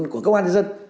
của công an nhân dân